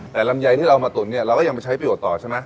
แต่ลำไยที่เรามาตุ๋นเนี่ยเราก็ยังไปใช้ประโยชน์ต่อใช่ไหม